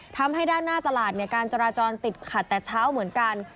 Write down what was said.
ทำให้ด้านหน้าตลาดการจราจรติดขัดแต่เช้าเหมือนกัน